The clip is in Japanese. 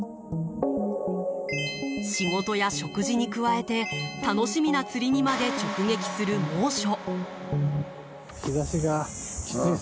仕事や食事に加えて楽しみな釣りにまで直撃する猛暑。